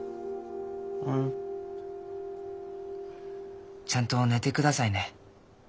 うん？ちゃんと寝てくださいね。